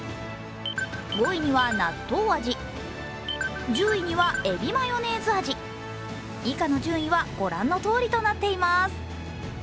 ５位にはなっとう味、１０位にはエビマヨネーズ味、以下の順位はご覧のとおりとなっています。